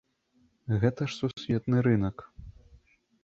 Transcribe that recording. Гэта ж сусветны рынак!